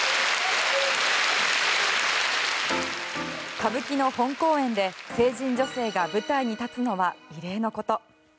歌舞伎の本公演で成人女性が舞台に立つのは異例のこと。